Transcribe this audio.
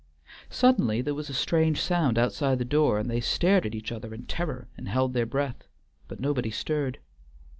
Suddenly there was a strange sound outside the door, and they stared at each other in terror and held their breath, but nobody stirred.